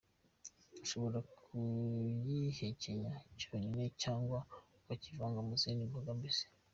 Ushobora kugihekenya cyonyine cyangwa ukakivanga mu zindi mboga mbisi.